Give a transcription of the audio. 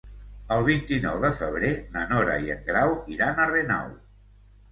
El vint-i-nou de febrer na Nora i en Grau iran a Renau.